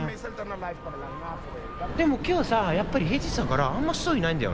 でも今日さやっぱり平日だからあんま人いないんだよね。